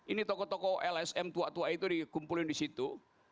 ini tokoh tokoh lsm tua tua itu dikumpulin di situ